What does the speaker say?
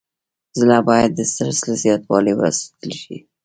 زړه باید د استرس له زیاتوالي وساتل شي.